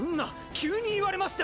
急に言われましても！